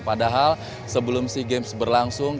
padahal sebelum sea games berlangsung